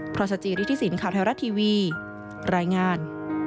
พรสจิริฐิสินข่าวไทยรัฐทีวีรายงาน